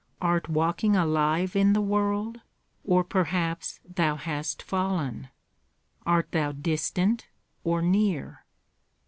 Art walking alive in the world, or perhaps thou hast fallen? Art thou distant or near?"